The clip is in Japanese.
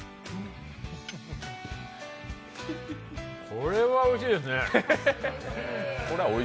これはおいしいですね。